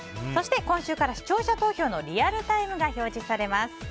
そして、今週から視聴者投票のリアルタイムが表示されます。